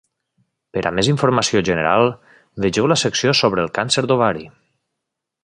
Per a més informació general, vegeu la secció sobre el càncer d'ovari.